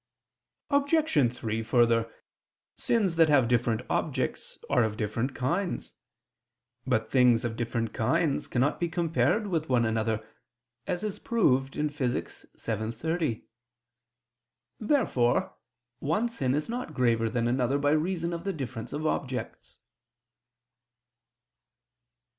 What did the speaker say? Obj. 3: Further, sins that have different objects are of different kinds. But things of different kinds cannot be compared with one another, as is proved in Phys. vii, text. 30, seqq. Therefore one sin is not graver than another by reason of the difference of objects.